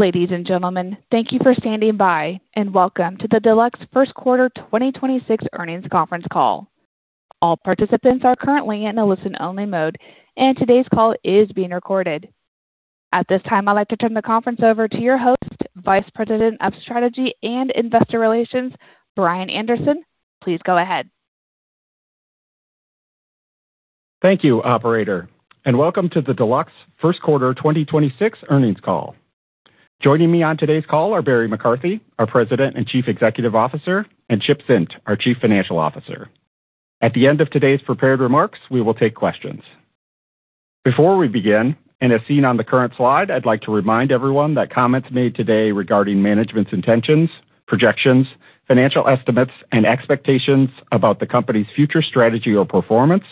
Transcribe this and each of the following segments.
Ladies and gentlemen, thank you for standing by, and welcome to the Deluxe First Quarter 2026 Earnings Conference Call. All participants are currently in a listen-only mode, and today's call is being recorded. At this time, I'd like to turn the conference over to your host, Vice President of Strategy and Investor Relations, Brian Anderson. Please go ahead. Thank you, operator, and welcome to the Deluxe First Quarter 2026 Earnings Call. Joining me on today's call are Barry McCarthy, our President and Chief Executive Officer, and Chip Zint, our Chief Financial Officer. At the end of today's prepared remarks, we will take questions. Before we begin, and as seen on the current slide, I'd like to remind everyone that comments made today regarding management's intentions, projections, financial estimates, and expectations about the company's future strategy or performance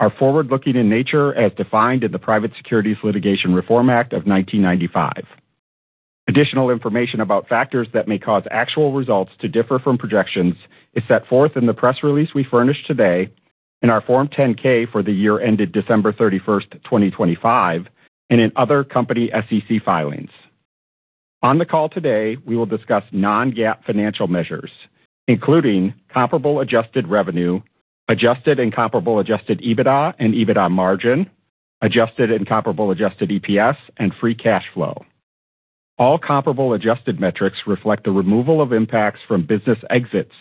are forward-looking in nature as defined in the Private Securities Litigation Reform Act of 1995. Additional information about factors that may cause actual results to differ from projections is set forth in the press release we furnished today, in our Form 10-K for the year ended December 31st, 2025, and in other company SEC filings. On the call today, we will discuss non-GAAP financial measures, including comparable adjusted revenue, adjusted and comparable adjusted EBITDA and EBITDA margin, adjusted and comparable adjusted EPS, and free cash flow. All comparable adjusted metrics reflect the removal of impacts from business exits,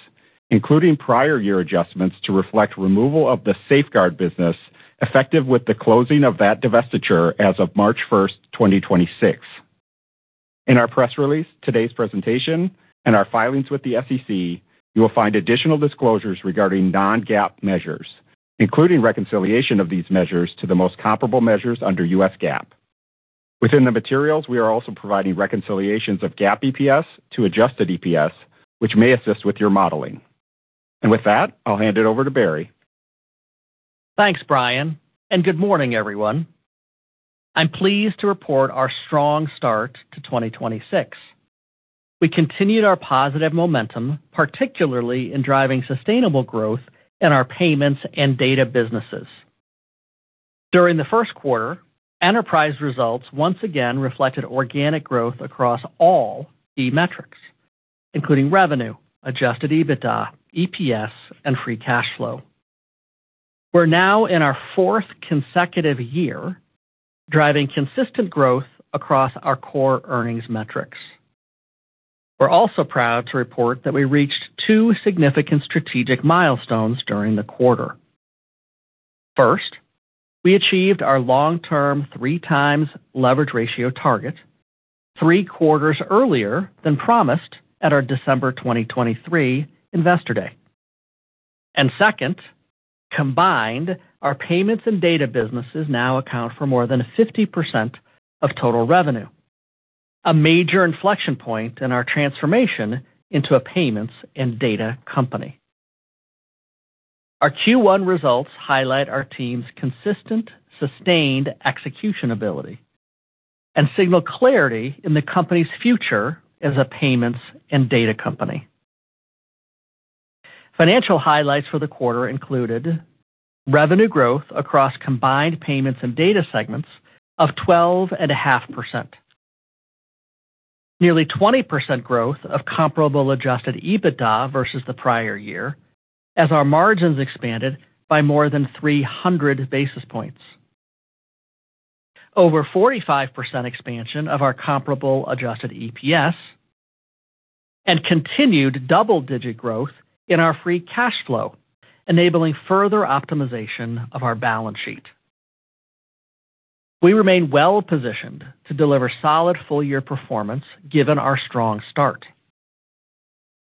including prior year adjustments to reflect removal of the Safeguard business effective with the closing of that divestiture as of March 1st, 2026. In our press release, today's presentation, and our filings with the SEC, you will find additional disclosures regarding non-GAAP measures, including reconciliation of these measures to the most comparable measures under US GAAP. Within the materials, we are also providing reconciliations of GAAP EPS to adjusted EPS, which may assist with your modeling. With that, I'll hand it over to Barry. Thanks, Brian, and good morning, everyone. I'm pleased to report our strong start to 2026. We continued our positive momentum, particularly in driving sustainable growth in our payments and data businesses. During the first quarter, enterprise results once again reflected organic growth across all key metrics, including revenue, adjusted EBITDA, EPS, and free cash flow. We're now in our fourth consecutive year driving consistent growth across our core earnings metrics. We're also proud to report that we reached two significant strategic milestones during the quarter. First, we achieved our long-term 3x leverage ratio target three quarters earlier than promised at our December 2023 Investor Day. Second, combined, our payments and data businesses now account for more than 50% of total revenue, a major inflection point in our transformation into a payments and data company. Our Q1 results highlight our team's consistent, sustained execution ability and signal clarity in the company's future as a payments and data company. Financial highlights for the quarter included revenue growth across combined payments and data segments of 12.5%. Nearly 20% growth of comparable adjusted EBITDA versus the prior year as our margins expanded by more than 300 basis points. Over 45% expansion of our comparable adjusted EPS, and continued double-digit growth in our free cash flow, enabling further optimization of our balance sheet. We remain well-positioned to deliver solid full-year performance given our strong start.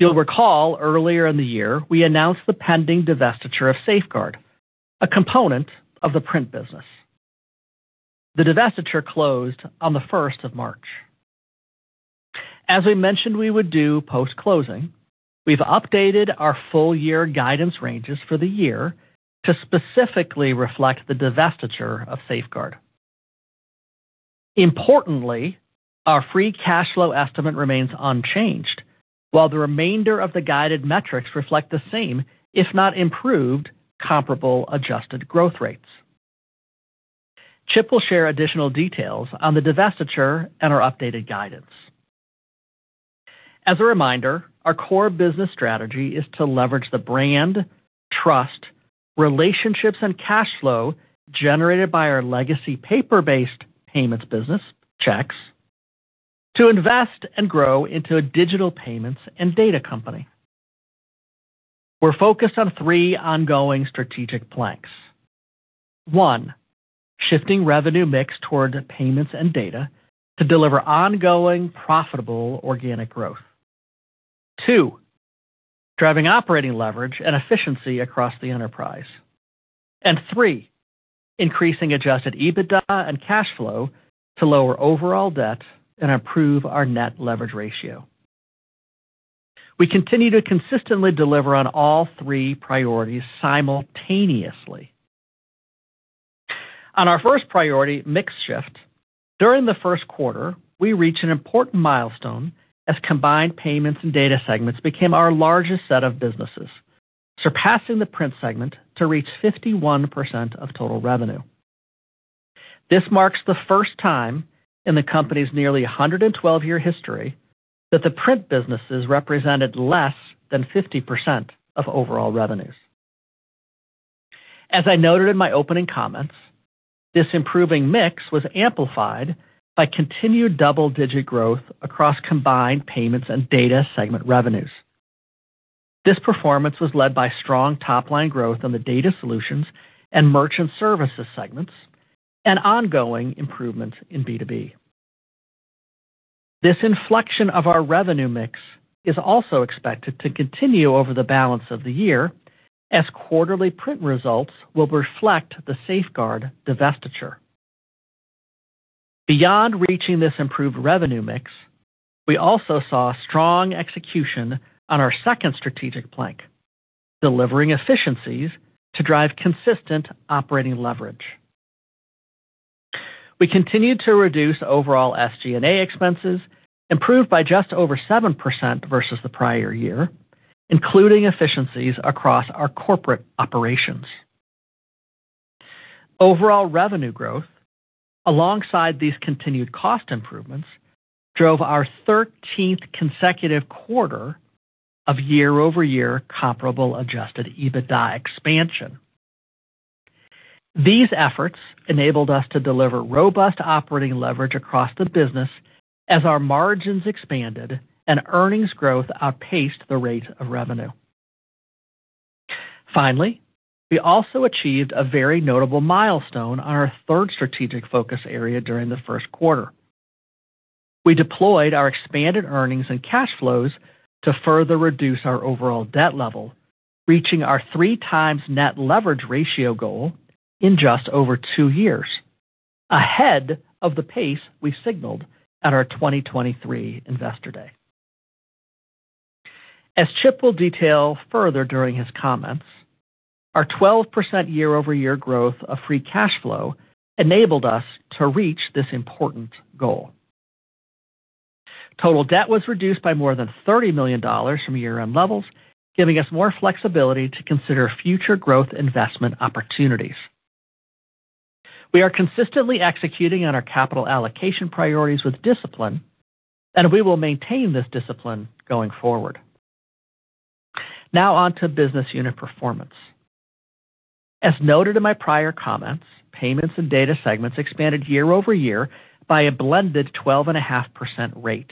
You'll recall earlier in the year, we announced the pending divestiture of Safeguard, a component of the print business. The divestiture closed on the 1st of March. As we mentioned we would do post-closing, we've updated our full year guidance ranges for the year to specifically reflect the divestiture of Safeguard. Importantly, our free cash flow estimate remains unchanged while the remainder of the guided metrics reflect the same, if not improved, comparable adjusted growth rates. Chip will share additional details on the divestiture and our updated guidance. As a reminder, our core business strategy is to leverage the brand, trust, relationships, and cash flow generated by our legacy paper-based payments business, checks, to invest and grow into a digital payments and data company. We're focused on three ongoing strategic planks. One, shifting revenue mix towards payments and data to deliver ongoing profitable organic growth. Two, driving operating leverage and efficiency across the enterprise. Three, increasing adjusted EBITDA and cash flow to lower overall debt and improve our net leverage ratio. We continue to consistently deliver on all three priorities simultaneously. On our first priority, mix shift, during the first quarter, we reached an important milestone as combined Payments and Data segments became our largest set of businesses. Surpassing the Print segment to reach 51% of total revenue. This marks the first time in the company's nearly 112-year history that the Print businesses represented less than 50% of overall revenues. As I noted in my opening comments, this improving mix was amplified by continued double-digit growth across combined Payments and Data segment revenues. This performance was led by strong top-line growth on the Data Solutions and Merchant Services segments and ongoing improvements in B2B. This inflection of our revenue mix is also expected to continue over the balance of the year as quarterly Print results will reflect the Safeguard divestiture. Beyond reaching this improved revenue mix, we also saw strong execution on our second strategic plank, delivering efficiencies to drive consistent operating leverage. We continued to reduce overall SG&A expenses, improved by just over 7% versus the prior year, including efficiencies across our corporate operations. Overall revenue growth alongside these continued cost improvements drove our 13th consecutive quarter of year-over-year comparable adjusted EBITDA expansion. These efforts enabled us to deliver robust operating leverage across the business as our margins expanded and earnings growth outpaced the rate of revenue. Finally, we also achieved a very notable milestone on our third strategic focus area during the first quarter. We deployed our expanded earnings and cash flows to further reduce our overall debt level, reaching our 3x net leverage ratio goal in just over two years, ahead of the pace we signaled at our 2023 Investor Day. As Chip will detail further during his comments, our 12% year-over-year growth of free cash flow enabled us to reach this important goal. Total debt was reduced by more than $30 million from year-end levels, giving us more flexibility to consider future growth investment opportunities. We are consistently executing on our capital allocation priorities with discipline, and we will maintain this discipline going forward. Now on to business unit performance. As noted in my prior comments, Payments and Data segments expanded year-over-year by a blended 12.5% rate,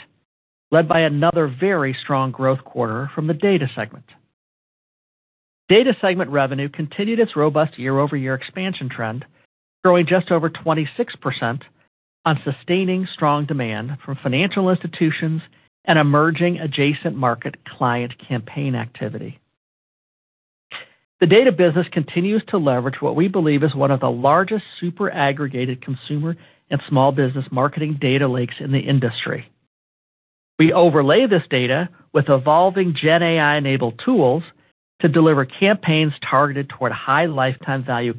led by another very strong growth quarter from the Data segment. Data segment revenue continued its robust year-over-year expansion trend, growing just over 26% on sustaining strong demand from financial institutions and emerging adjacent market client campaign activity. The data business continues to leverage what we believe is one of the largest super aggregated consumer and small business marketing data lakes in the industry. We overlay this data with evolving Generative AI-enabled tools to deliver campaigns targeted toward high lifetime value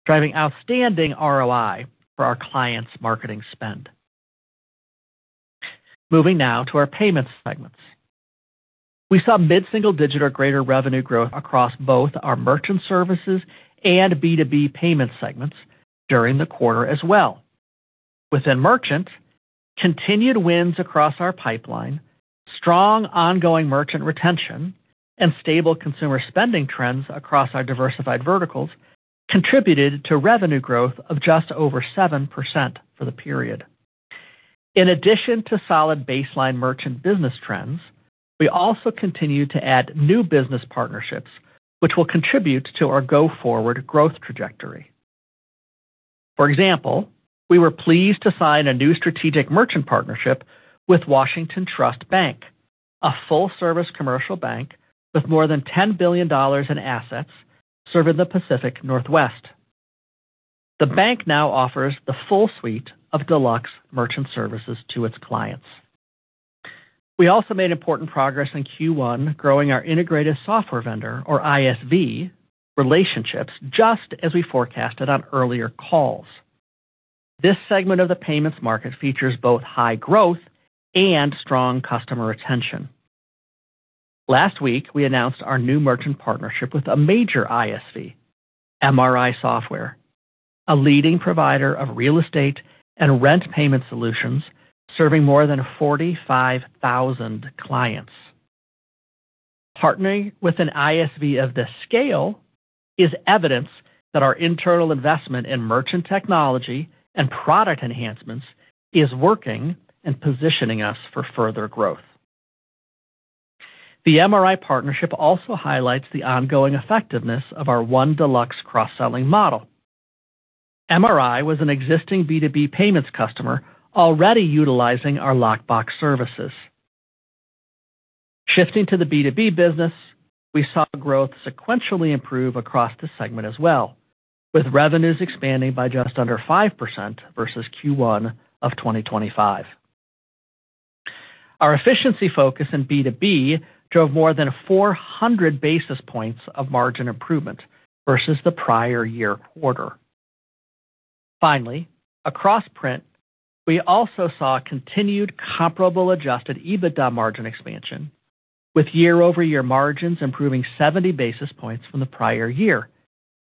customers, driving outstanding ROI for our clients' marketing spend. Moving now to our payments segments. We saw mid-single digit or greater revenue growth across both our Merchant Services and B2B payment segments during the quarter as well. Within merchant, continued wins across our pipeline, strong ongoing merchant retention, and stable consumer spending trends across our diversified verticals contributed to revenue growth of just over 7% for the period. In addition to solid baseline merchant business trends, we also continue to add new business partnerships which will contribute to our go-forward growth trajectory. For example, we were pleased to sign a new strategic merchant partnership with Washington Trust Bank, a full-service commercial bank with more than $10 billion in assets serving the Pacific Northwest. The bank now offers the full suite of Deluxe Merchant Services to its clients. We also made important progress in Q1 growing our Integrated Software Vendor, or ISV, relationships just as we forecasted on earlier calls. This segment of the payments market features both high growth and strong customer retention. Last week, we announced our new merchant partnership with a major ISV, MRI Software, a leading provider of real estate and rent payment solutions serving more than 45,000 clients. Partnering with an ISV of this scale is evidence that our internal investment in merchant technology and product enhancements is working and positioning us for further growth. The MRI partnership also highlights the ongoing effectiveness of our One Deluxe cross-selling model. MRI was an existing B2B payments customer already utilizing our Lockbox services. Shifting to the B2B business, we saw growth sequentially improve across the segment as well, with revenues expanding by just under 5% versus Q1 of 2025. Our efficiency focus in B2B drove more than 400 basis points of margin improvement versus the prior year quarter. Finally, across print, we also saw continued comparable adjusted EBITDA margin expansion with year-over-year margins improving 70 basis points from the prior year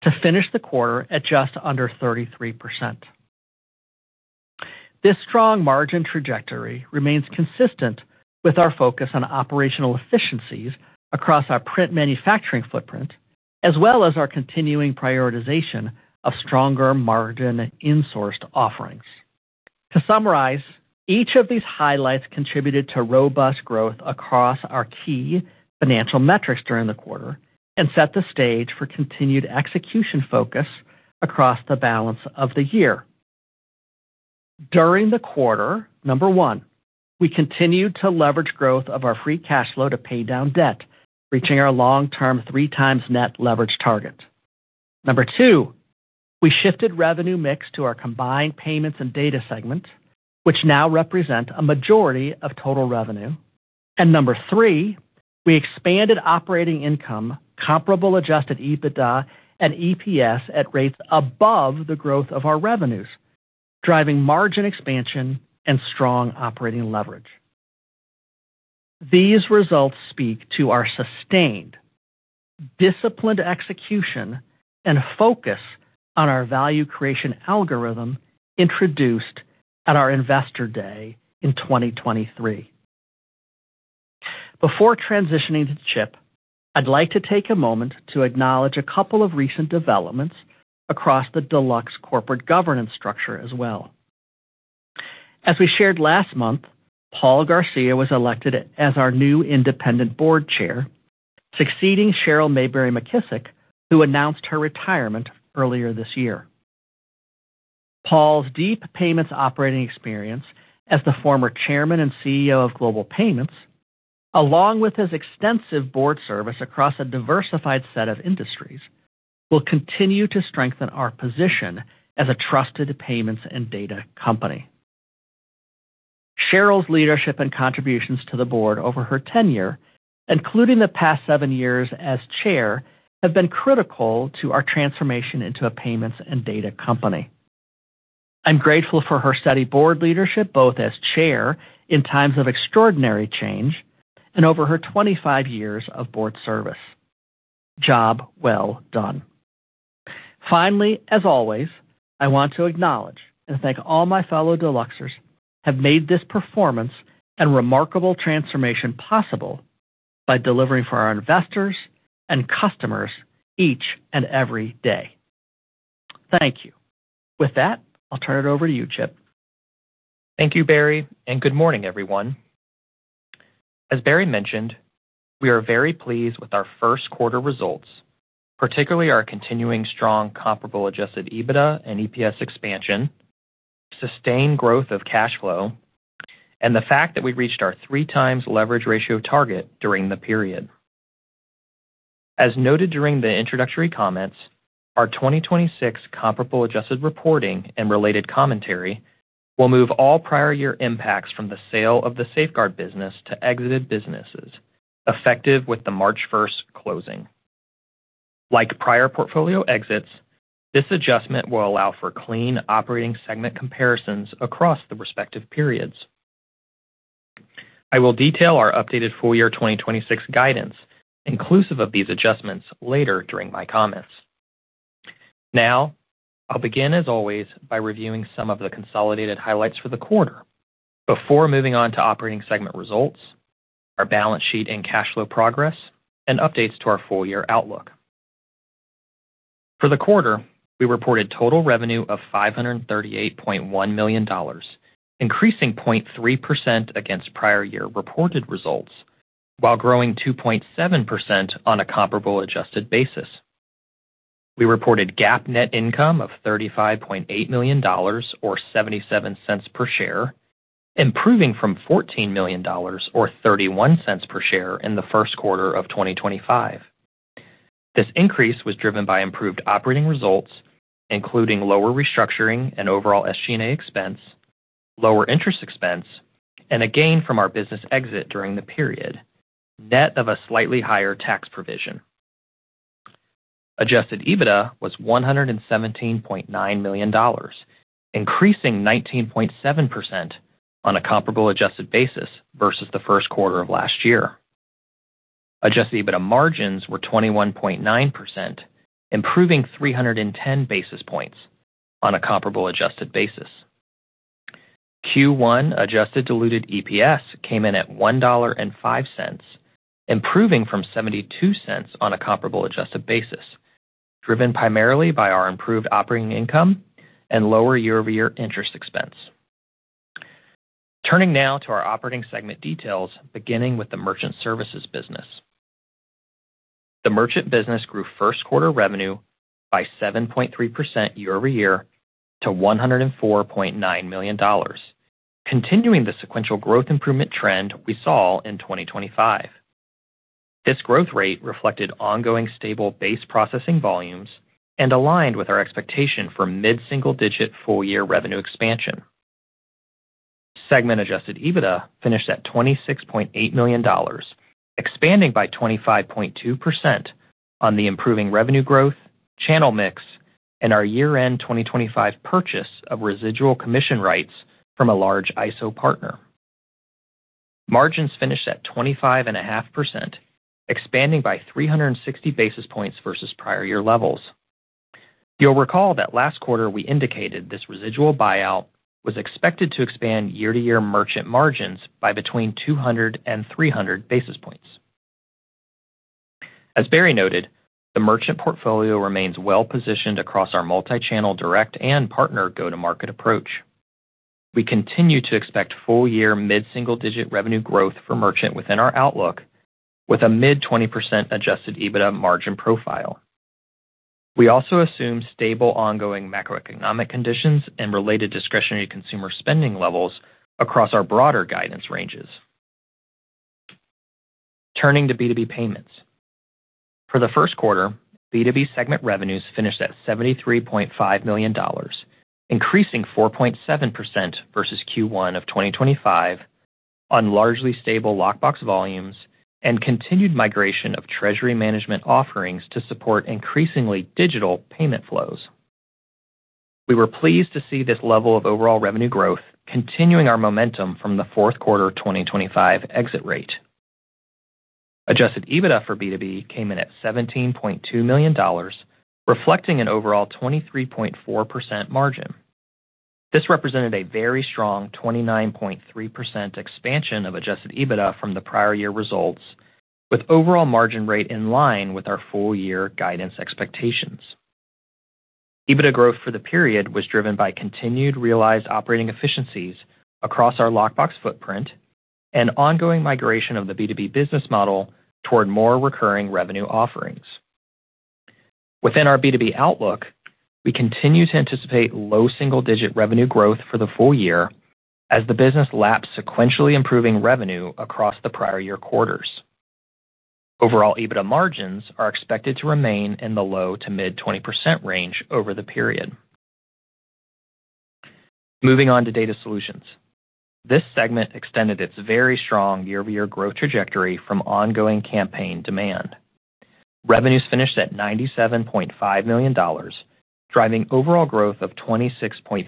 to finish the quarter at just under 33%. This strong margin trajectory remains consistent with our focus on operational efficiencies across our print manufacturing footprint, as well as our continuing prioritization of stronger margin insourced offerings. To summarize, each of these highlights contributed to robust growth across our key financial metrics during the quarter and set the stage for continued execution focus across the balance of the year. During the quarter, number one, we continued to leverage growth of our free cash flow to pay down debt, reaching our long-term 3x net leverage target. Number two, we shifted revenue mix to our combined payments and data segment, which now represent a majority of total revenue. Number three, we expanded operating income, comparable adjusted EBITDA and EPS at rates above the growth of our revenues, driving margin expansion and strong operating leverage. These results speak to our sustained disciplined execution and focus on our value creation algorithm introduced at our Investor Day in 2023. Before transitioning to Chip, I'd like to take a moment to acknowledge a couple of recent developments across the Deluxe corporate governance structure as well. As we shared last month, Paul Garcia was elected as our new independent board chair, succeeding Cheryl Mayberry McKissack, who announced her retirement earlier this year. Paul's deep payments operating experience as the former chairman and CEO of Global Payments, along with his extensive board service across a diversified set of industries, will continue to strengthen our position as a trusted payments and data company. Cheryl's leadership and contributions to the board over her tenure, including the past seven years as Chair, have been critical to our transformation into a payments and data company. I'm grateful for her steady board leadership, both as Chair in times of extraordinary change and over her 25 years of board service. Job well done. Finally, as always, I want to acknowledge and thank all my fellow Deluxers have made this performance and remarkable transformation possible by delivering for our investors and customers each and every day. Thank you. With that, I'll turn it over to you, Chip. Thank you, Barry, and good morning, everyone. As Barry mentioned, we are very pleased with our first quarter results, particularly our continuing strong comparable adjusted EBITDA and EPS expansion, sustained growth of cash flow, and the fact that we reached our 3x leverage ratio target during the period. As noted during the introductory comments, our 2026 comparable adjusted reporting and related commentary will move all prior year impacts from the sale of the Safeguard business to exited businesses effective with the March 1st closing. Like prior portfolio exits, this adjustment will allow for clean operating segment comparisons across the respective periods. I will detail our updated full year 2026 guidance inclusive of these adjustments later during my comments. Now, I'll begin as always by reviewing some of the consolidated highlights for the quarter before moving on to operating segment results, our balance sheet and cash flow progress, and updates to our full year outlook. For the quarter, we reported total revenue of $538.1 million, increasing 0.3% against prior year reported results while growing 2.7% on a comparable adjusted basis. We reported GAAP net income of $35.8 million or $0.77 per share, improving from $14 million or $0.31 per share in the first quarter of 2025. This increase was driven by improved operating results, including lower restructuring and overall SG&A expense, lower interest expense, and a gain from our business exit during the period, net of a slightly higher tax provision. Adjusted EBITDA was $117.9 million, increasing 19.7% on a comparable adjusted basis versus the first quarter of last year. Adjusted EBITDA margins were 21.9%, improving 310 basis points on a comparable adjusted basis. Q1 adjusted diluted EPS came in at $1.05, improving from $0.72 on a comparable adjusted basis, driven primarily by our improved operating income and lower year-over-year interest expense. Turning now to our operating segment details, beginning with the Merchant Services business. The Merchant business grew first quarter revenue by 7.3% year-over-year to $104.9 million, continuing the sequential growth improvement trend we saw in 2025. This growth rate reflected ongoing stable base processing volumes and aligned with our expectation for mid-single-digit full-year revenue expansion. Segment adjusted EBITDA finished at $26.8 million, expanding by 25.2% on the improving revenue growth, channel mix, and our year-end 2025 purchase of residual commission rights from a large ISO partner. Margins finished at 25.5%, expanding by 360 basis points versus prior year levels. You'll recall that last quarter we indicated this residual buyout was expected to expand year-to-year merchant margins by between 200 basis points and 300 basis points. As Barry noted, the merchant portfolio remains well-positioned across our multi-channel direct and partner go-to-market approach. We continue to expect full-year mid-single-digit revenue growth for merchant within our outlook, with a mid-20% adjusted EBITDA margin profile. We also assume stable ongoing macroeconomic conditions and related discretionary consumer spending levels across our broader guidance ranges. Turning to B2B payments. For the first quarter, B2B segment revenues finished at $73.5 million, increasing 4.7% versus Q1 of 2025 on largely stable Lockbox volumes and continued migration of treasury management offerings to support increasingly digital payment flows. We were pleased to see this level of overall revenue growth continuing our momentum from the fourth quarter 2025 exit rate. Adjusted EBITDA for B2B came in at $17.2 million, reflecting an overall 23.4% margin. This represented a very strong 29.3% expansion of adjusted EBITDA from the prior year results, with overall margin rate in line with our full-year guidance expectations. EBITDA growth for the period was driven by continued realized operating efficiencies across our Lockbox footprint and ongoing migration of the B2B business model toward more recurring revenue offerings. Within our B2B outlook, we continue to anticipate low single-digit revenue growth for the full year as the business laps sequentially improving revenue across the prior year quarters. Overall EBITDA margins are expected to remain in the low to mid 20% range over the period. Moving on to Data Solutions. This segment extended its very strong year-over-year growth trajectory from ongoing campaign demand. Revenues finished at $97.5 million, driving overall growth of 26.3%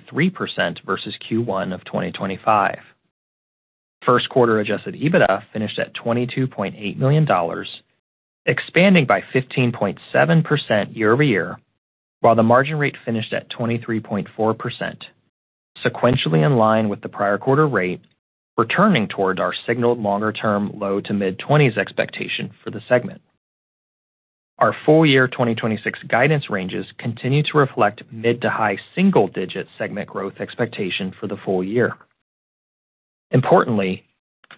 versus Q1 of 2025. First quarter adjusted EBITDA finished at $22.8 million, expanding by 15.7% year-over-year, while the margin rate finished at 23.4%, sequentially in line with the prior quarter rate, returning toward our signaled longer-term low to mid-20% expectation for the segment. Our full-year 2026 guidance ranges continue to reflect mid to high single-digit segment growth expectation for the full year. Importantly,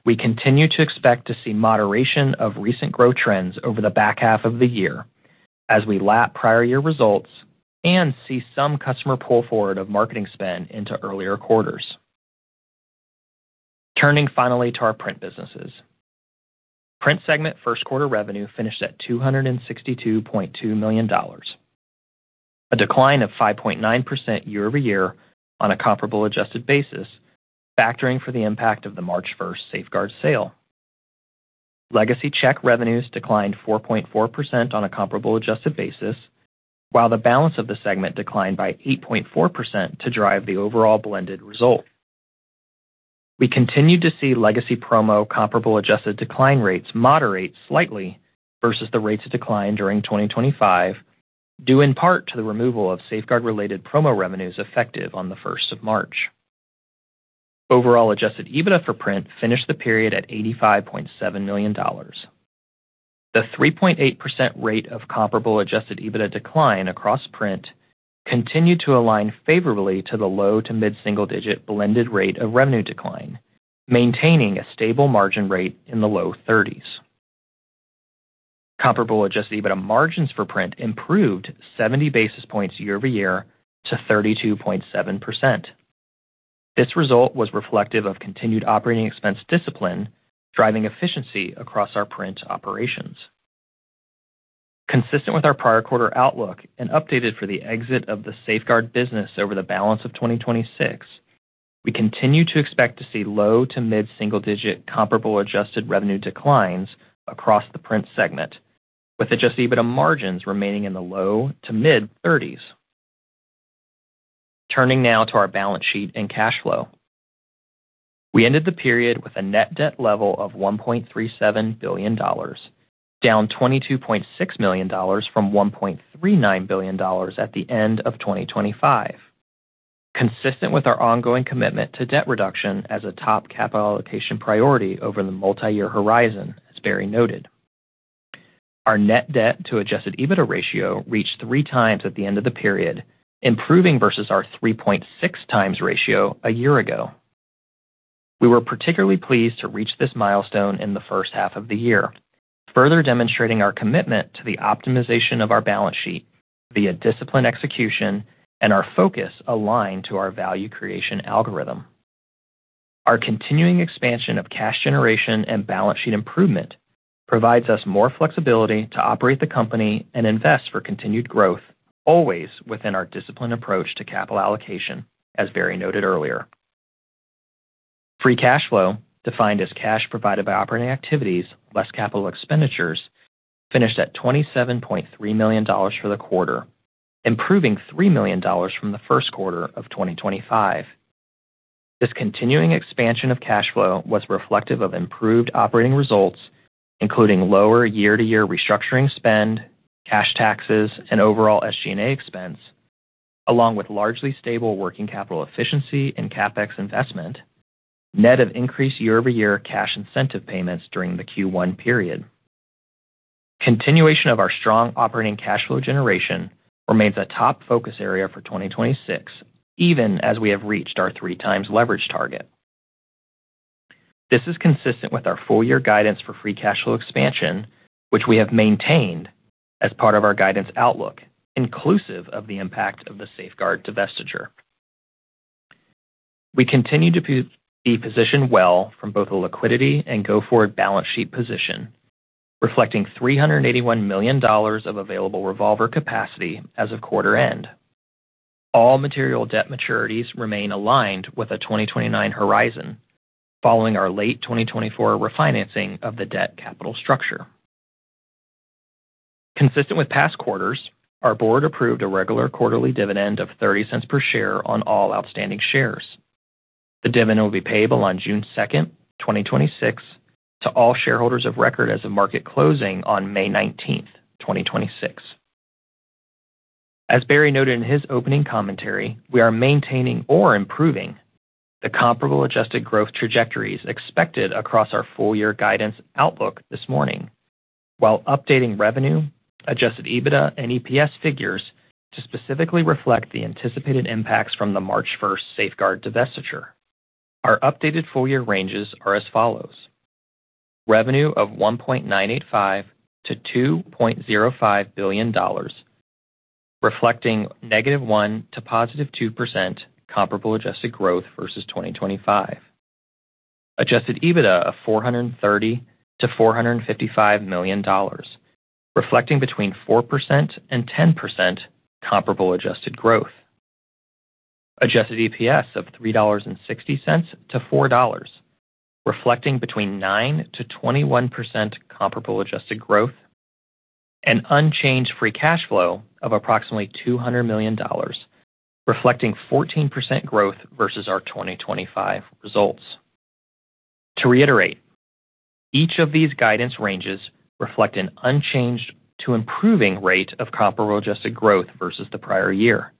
we continue to expect to see moderation of recent growth trends over the back half of the year as we lap prior year results and see some customer pull forward of marketing spend into earlier quarters. Turning finally to our print businesses. Print segment first quarter revenue finished at $262.2 million, a decline of 5.9% year-over-year on a comparable adjusted basis, factoring for the impact of the March 1st Safeguard sale. Legacy check revenues declined 4.4% on a comparable adjusted basis, while the balance of the segment declined by 8.4% to drive the overall blended result. We continued to see legacy promo comparable adjusted decline rates moderate slightly versus the rates of decline during 2025, due in part to the removal of Safeguard-related promo revenues effective on the 1st of March. Overall adjusted EBITDA for print finished the period at $85.7 million. The 3.8% rate of comparable adjusted EBITDA decline across print continued to align favorably to the low to mid-single digit blended rate of revenue decline, maintaining a stable margin rate in the low 30%. Comparable adjusted EBITDA margins for print improved 70 basis points year-over-year to 32.7%. This result was reflective of continued operating expense discipline driving efficiency across our print operations. Consistent with our prior quarter outlook and updated for the exit of the Safeguard business over the balance of 2026, we continue to expect to see low to mid-single digit comparable adjusted revenue declines across the print segment, with adjusted EBITDA margins remaining in the low to mid-30%. Turning now to our balance sheet and cash flow. We ended the period with a net debt level of $1.37 billion, down $22.6 million from $1.39 billion at the end of 2025. Consistent with our ongoing commitment to debt reduction as a top capital allocation priority over the multi-year horizon, as Barry noted. Our net debt to adjusted EBITDA ratio reached 3x at the end of the period, improving versus our 3.6x ratio a year ago. We were particularly pleased to reach this milestone in the first half of the year, further demonstrating our commitment to the optimization of our balance sheet via disciplined execution and our focus aligned to our value creation algorithm. Our continuing expansion of cash generation and balance sheet improvement provides us more flexibility to operate the company and invest for continued growth, always within our disciplined approach to capital allocation, as Barry noted earlier. Free cash flow, defined as cash provided by operating activities less capital expenditures, finished at $27.3 million for the quarter, improving $3 million from the first quarter of 2025. This continuing expansion of cash flow was reflective of improved operating results, including lower year-to-year restructuring spend, cash taxes, and overall SG&A expense, along with largely stable working capital efficiency and CapEx investment, net of increased year-over-year cash incentive payments during the Q1 period. Continuation of our strong operating cash flow generation remains a top focus area for 2026, even as we have reached our 3x leverage target. This is consistent with our full year guidance for free cash flow expansion, which we have maintained as part of our guidance outlook, inclusive of the impact of the Safeguard divestiture. We continue to be positioned well from both a liquidity and go-forward balance sheet position, reflecting $381 million of available revolver capacity as of quarter end. All material debt maturities remain aligned with a 2029 horizon following our late 2024 refinancing of the debt capital structure. Consistent with past quarters, our board approved a regular quarterly dividend of $0.30 per share on all outstanding shares. The dividend will be payable on June 2nd, 2026 to all shareholders of record as of market closing on May 19th, 2026. As Barry noted in his opening commentary, we are maintaining or improving the comparable adjusted growth trajectories expected across our full year guidance outlook this morning while updating revenue, adjusted EBITDA and EPS figures to specifically reflect the anticipated impacts from the March 1st Safeguard divestiture. Our updated full year ranges are as follows: Revenue of $1.985 billion-$2.05 billion, reflecting -1% to +2% comparable adjusted growth versus 2025. Adjusted EBITDA of $430 million-$455 million, reflecting between 4% and 10% comparable adjusted growth. Adjusted EPS of $3.60-$4.00, reflecting between 9%-21% comparable adjusted growth. Unchanged free cash flow of approximately $200 million, reflecting 14% growth versus our 2025 results. To reiterate, each of these guidance ranges reflect an unchanged to improving rate of comparable adjusted growth versus the prior year.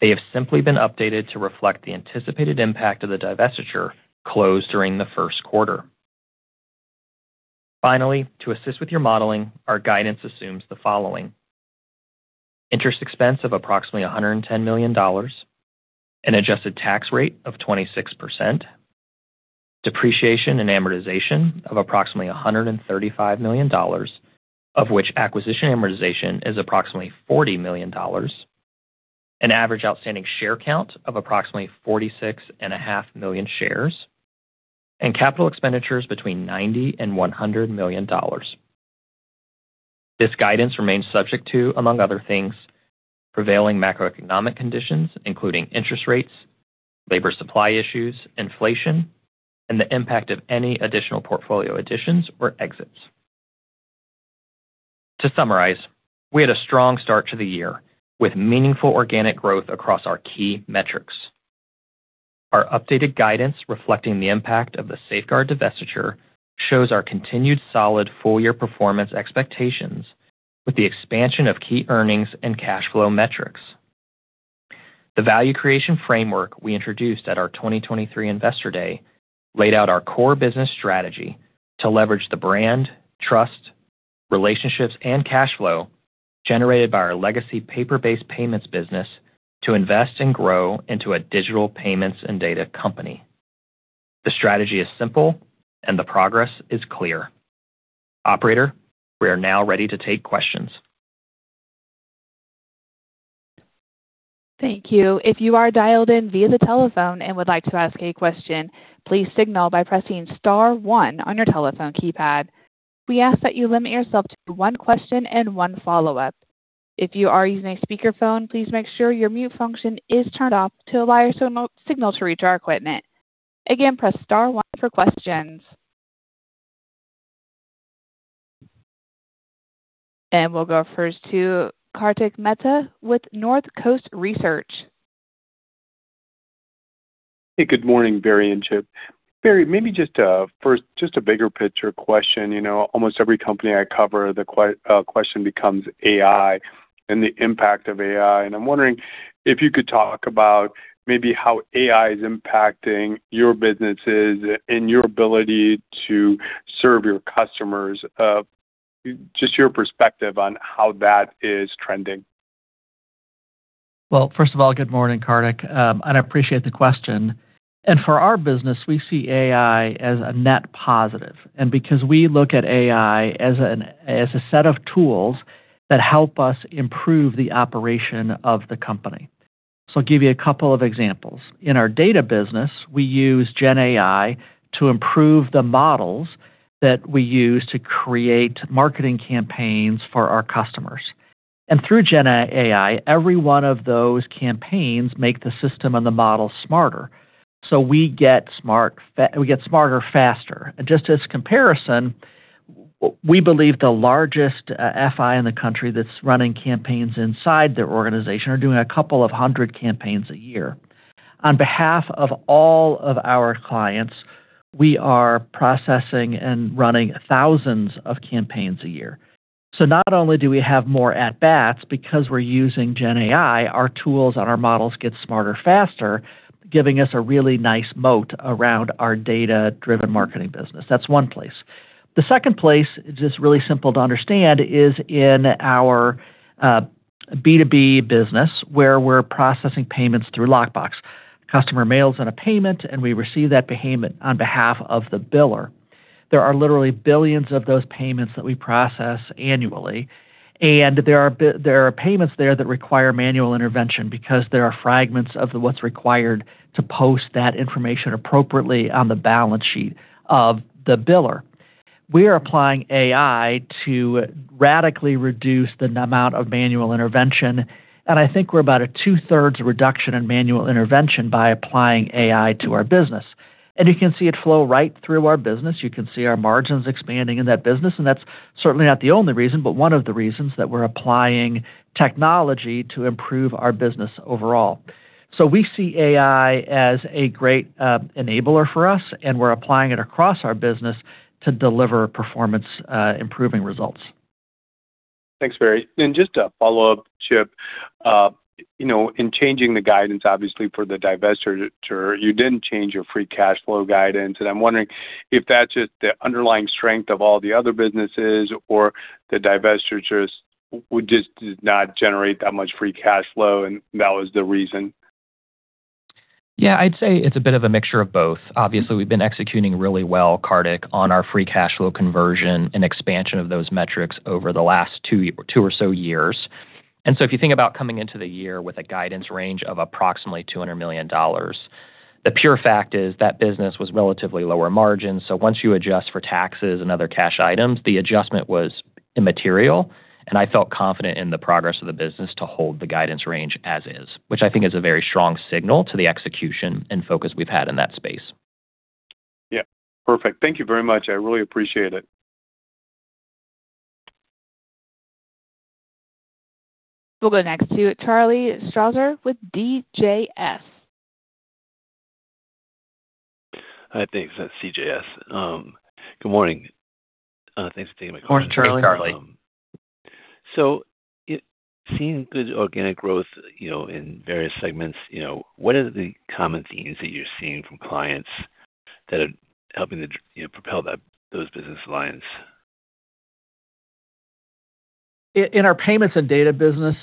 They have simply been updated to reflect the anticipated impact of the divestiture closed during the first quarter. Finally, to assist with your modeling, our guidance assumes the following. Interest expense of approximately $110 million. An adjusted tax rate of 26%. Depreciation and amortization of approximately $135 million, of which acquisition amortization is approximately $40 million. An average outstanding share count of approximately 46.5 million shares. Capital expenditures between $90 million-$100 million. This guidance remains subject to, among other things, prevailing macroeconomic conditions, including interest rates, labor supply issues, inflation, and the impact of any additional portfolio additions or exits. To summarize, we had a strong start to the year with meaningful organic growth across our key metrics. Our updated guidance reflecting the impact of the Safeguard divestiture shows our continued solid full year performance expectations with the expansion of key earnings and cash flow metrics. The value creation framework we introduced at our 2023 Investor Day laid out our core business strategy to leverage the brand, trust, relationships, and cash flow generated by our legacy paper-based payments business to invest and grow into a digital payments and data company. The strategy is simple and the progress is clear. Operator, we are now ready to take questions. Thank you. If you are dialed in via the telephone and would like to ask a question, please signal by pressing star one on your telephone keypad. We ask that you limit yourself to one question and one follow-up. If you are using a speakerphone, please make sure your mute function is turned off to allow your signal to reach our equipment. Again, press star one for questions. We'll go first to Kartik Mehta with Northcoast Research. Hey, good morning, Barry and Chip. Barry, maybe just first just a bigger picture question. You know, almost every company I cover the question becomes AI and the impact of AI, and I'm wondering if you could talk about maybe how AI is impacting your businesses and your ability to serve your customers. Just your perspective on how that is trending. Well, first of all, good morning, Kartik. I appreciate the question. For our business, we see AI as a net positive, and because we look at AI as a set of tools that help us improve the operation of the company. I'll give you a couple of examples. In our data business, we use Generative AI to improve the models that we use to create marketing campaigns for our customers. Through Generative AI, every one of those campaigns make the system and the model smarter. We get smarter faster. Just as comparison, we believe the largest FI in the country that's running campaigns inside their organization are doing a couple of hundreds of campaigns a year. On behalf of all of our clients, we are processing and running thousands of campaigns a year. Not only do we have more at-bats because we're using Generative AI, our tools and our models get smarter faster, giving us a really nice moat around our data-driven marketing business. That's one place. The second place is really simple to understand, is in our B2B business where we're processing payments through Lockbox. Customer mails in a payment, and we receive that payment on behalf of the biller. There are literally billions of those payments that we process annually, and there are payments there that require manual intervention because there are fragments of what's required to post that information appropriately on the balance sheet of the biller. We are applying AI to radically reduce the amount of manual intervention, and I think we're about a 2/3 reduction in manual intervention by applying AI to our business. You can see it flow right through our business. You can see our margins expanding in that business, and that's certainly not the only reason, but one of the reasons that we're applying technology to improve our business overall. We see AI as a great enabler for us, and we're applying it across our business to deliver performance improving results. Thanks, Barry. Just a follow-up, Chip, you know, in changing the guidance obviously for the divestiture, you didn't change your free cash flow guidance. I'm wondering if that's just the underlying strength of all the other businesses or the divestitures which does not generate that much free cash flow, and that was the reason? Yeah, I'd say it's a bit of a mixture of both. Obviously, we've been executing really well, Kartik, on our free cash flow conversion and expansion of those metrics over the last two or so years. If you think about coming into the year with a guidance range of approximately $200 million, the pure fact is that business was relatively lower margin. Once you adjust for taxes and other cash items, the adjustment was immaterial, and I felt confident in the progress of the business to hold the guidance range as is, which I think is a very strong signal to the execution and focus we've had in that space. Yeah. Perfect. Thank you very much. I really appreciate it. We'll go next to Charlie Strauzer with BJS. Thanks. That's CJS. Good morning. Thanks for taking my call. Morning, Charlie. Hi, Charlie. Seeing good organic growth, you know, in various segments, you know, what are the common themes that you're seeing from clients that are helping to you know, propel those business lines? In our payments and data business,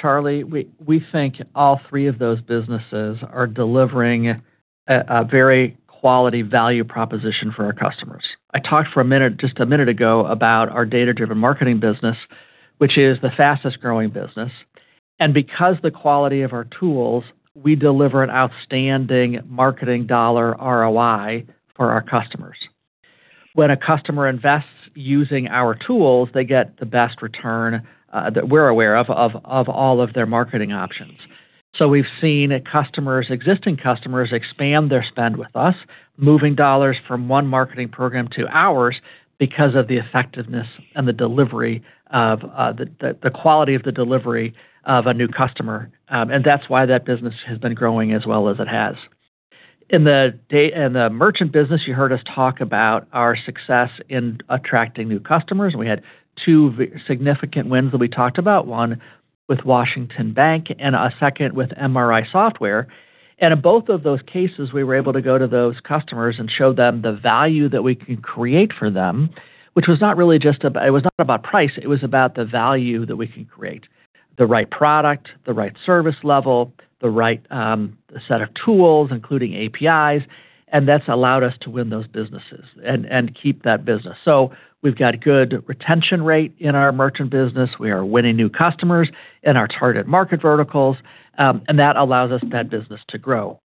Charlie, we think all three of those businesses are delivering a very quality value proposition for our customers. I talked for a minute, just a minute ago, about our data-driven marketing business, which is the fastest-growing business. Because the quality of our tools, we deliver an outstanding marketing dollar ROI for our customers. When a customer invests using our tools, they get the best return that we're aware of all of their marketing options. We've seen customers, existing customers expand their spend with us, moving dollars from one marketing program to ours because of the effectiveness and the delivery of the quality of the delivery of a new customer. That's why that business has been growing as well as it has. In the merchant business, you heard us talk about our success in attracting new customers. We had two significant wins that we talked about, one with Washington Trust Bank and a second with MRI Software. In both of those cases, we were able to go to those customers and show them the value that we can create for them, which was not really just about price, it was about the value that we can create. The right product, the right service level, the right set of tools, including APIs, and that's allowed us to win those businesses and keep that business. We've got good retention rate in our merchant business. We are winning new customers in our target market verticals, and that allows us that business to grow.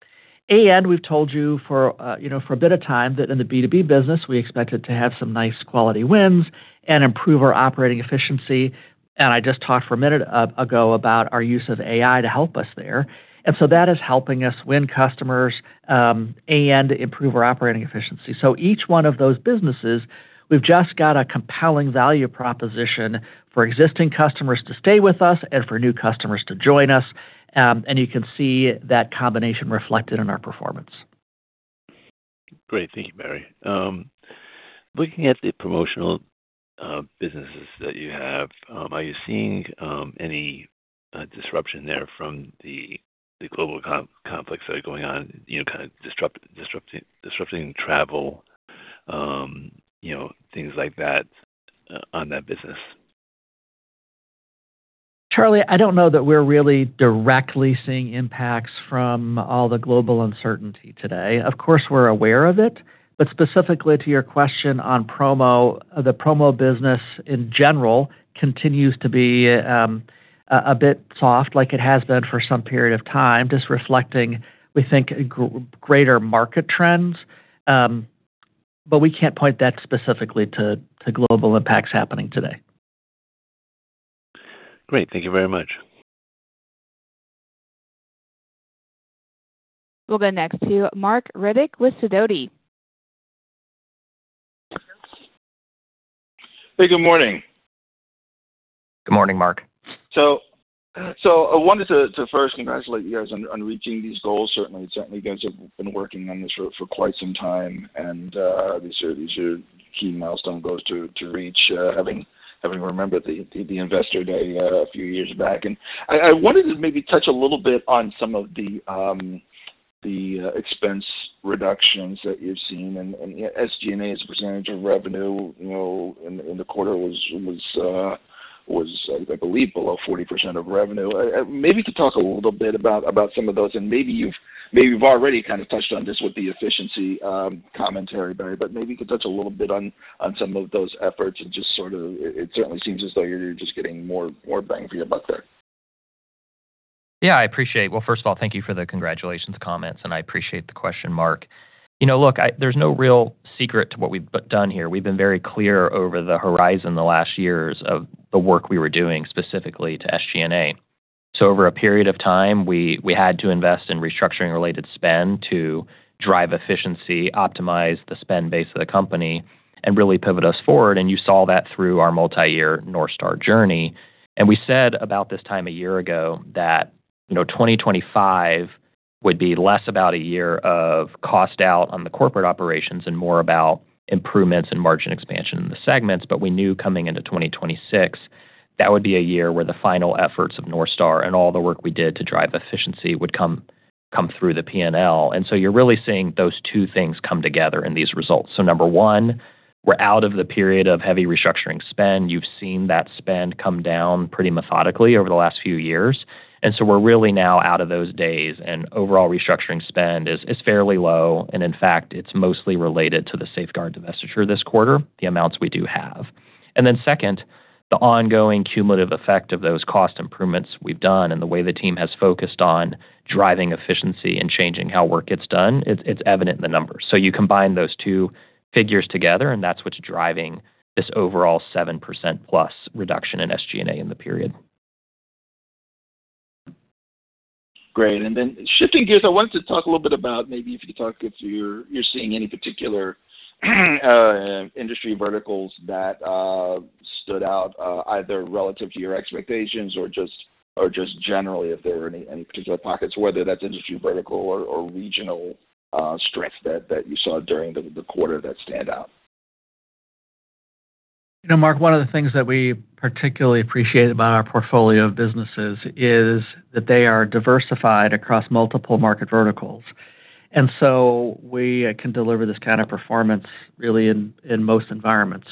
We've told you for, you know, for a bit of time that in the B2B business, we expected to have some nice quality wins and improve our operating efficiency. I just talked for a minute ago about our use of AI to help us there. That is helping us win customers, and improve our operating efficiency. Each one of those businesses, we've just got a compelling value proposition for existing customers to stay with us and for new customers to join us. You can see that combination reflected in our performance. Great. Thank you, Barry. Looking at the promotional businesses that you have, are you seeing any disruption there from the global conflicts that are going on, you know, kind of disrupting travel, you know, things like that on that business? Charlie, I don't know that we're really directly seeing impacts from all the global uncertainty today. Of course, we're aware of it. Specifically to your question on promo, the promo business in general continues to be a bit soft like it has been for some period of time, just reflecting, we think, greater market trends. We can't point that specifically to global impacts happening today. Great. Thank you very much. We'll go next to Marc Riddick with Sidoti. Hey, good morning. Good morning, Marc. I wanted to first congratulate you guys on reaching these goals. Certainly you guys have been working on this for quite some time, and these are key milestone goals to reach, having remembered the Investor Day a few years back. I wanted to maybe touch a little bit on some of the expense reductions that you've seen and SG&A as a percentage of revenue, you know, in the quarter was, I believe below 40% of revenue. Maybe to talk a little bit about some of those, and maybe you've already kind of touched on this with the efficiency, commentary, Barry, but maybe you could touch a little bit on some of those efforts and just sort of It certainly seems as though you're just getting more bang for your buck there. I appreciate. Well, first of all, thank you for the congratulations comments, and I appreciate the question, Marc. You know, look, there's no real secret to what we've done here. We've been very clear over the horizon the last years of the work we were doing specifically to SG&A. Over a period of time, we had to invest in restructuring related spend to drive efficiency, optimize the spend base of the company, and really pivot us forward. You saw that through our multi-year North Star journey. We said about this time a year ago that, you know, 2025 would be less about a year of cost out on the corporate operations and more about improvements in margin expansion in the segments. We knew coming into 2026, that would be a year where the final efforts of North Star and all the work we did to drive efficiency would come through the P&L. You're really seeing those two things come together in these results. Number one, we're out of the period of heavy restructuring spend. You've seen that spend come down pretty methodically over the last few years. We're really now out of those days, and overall restructuring spend is fairly low, and in fact, it's mostly related to the Safeguard divestiture this quarter, the amounts we do have. Second, the ongoing cumulative effect of those cost improvements we've done and the way the team has focused on driving efficiency and changing how work gets done, it's evident in the numbers. You combine those two figures together, and that's what's driving this overall 7% plus reduction in SG&A in the period. Great. Shifting gears, I wanted to talk a little bit about maybe if you could talk if you're seeing any particular industry verticals that stood out either relative to your expectations or just generally if there are any particular pockets, whether that's industry vertical or regional strength that you saw during the quarter that stand out? You know, Marc, one of the things that we particularly appreciate about our portfolio of businesses is that they are diversified across multiple market verticals. We can deliver this kind of performance really in most environments.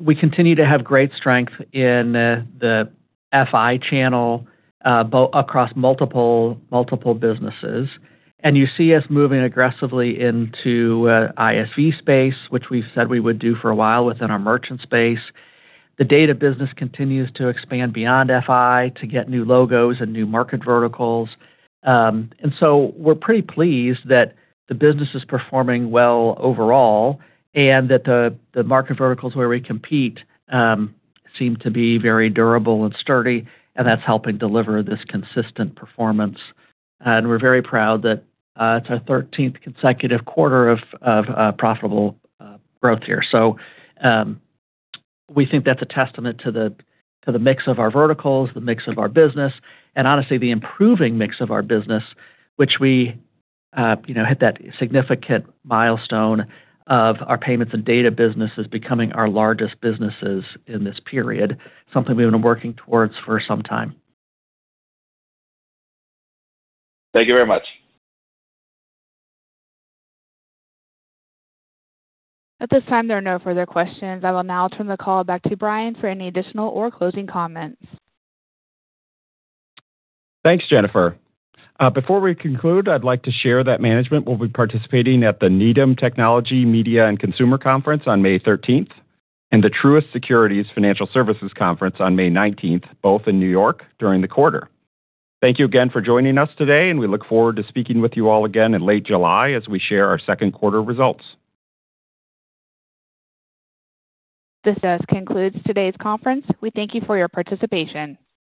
We continue to have great strength in the FI channel across multiple businesses. You see us moving aggressively into ISV space, which we've said we would do for a while within our merchant space. The data business continues to expand beyond FI to get new logos and new market verticals. We're pretty pleased that the business is performing well overall and that the market verticals where we compete seem to be very durable and sturdy, and that's helping deliver this consistent performance. We're very proud that it's our 13th consecutive quarter of profitable growth here. We think that's a testament to the mix of our verticals, the mix of our business, and honestly, the improving mix of our business, which we, you know, hit that significant milestone of our payments and data businesses becoming our largest businesses in this period, something we've been working towards for some time. Thank you very much. At this time, there are no further questions. I will now turn the call back to Brian for any additional or closing comments. Thanks, Jennifer. Before we conclude, I'd like to share that management will be participating at the Needham Technology, Media, and Consumer Conference on May 13th and the Truist Securities Financial Services Conference on May 19th, both in New York during the quarter. Thank you again for joining us today. We look forward to speaking with you all again in late July as we share our second quarter results. This does conclude today's conference. We thank you for your participation.